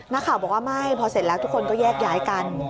นักข่าวบอกว่าไม่พอเสร็จแล้วทุกคนก็แยกย้ายกัน